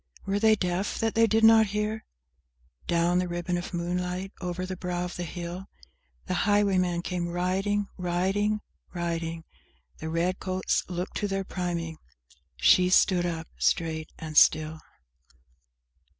Were they deaf that they did not hear? Down the ribbon of moonlight, over the brow of the hill, The highwayman came riding, Riding, riding! The red coats looked to their priming! She stood up, straight and still!